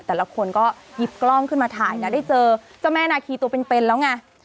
แต่ละคนก็หยิบกล้องขึ้นมาถ่ายนะได้เจอเจ้าแม่นาคีตัวเป็นแล้วไง